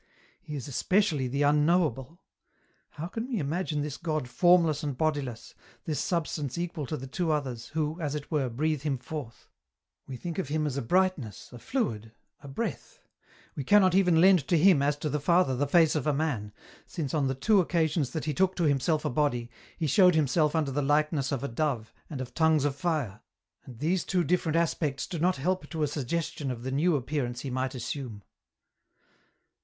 He is especially the unknowable. How can we imagine this God formless and bodiless, this Substance equal to the two others, who, as it were, breathe Him forth ? We think of Him as a brightness, a fluid, a breath ; we cannot even lend to Him as to the Father the face of a man, since on the two occasions that He took to Himself a body, He showed Himself under the likenesses of a dove and ot tongues of fire, and these two different aspects do not help to a suggestion of the new appearance He might assume.